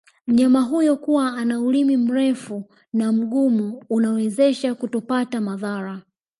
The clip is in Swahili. Mnyama huyo kuwa ana Ulimi mrefu na Mgumu unamwezesha kutopata madhara